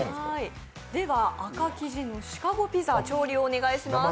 では赤生地のシカゴピザ、調理をお願いします。